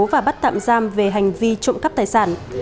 và bắt tạm giam về hành vi trộm cắp tài sản